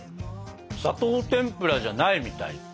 砂糖てんぷらじゃないみたい。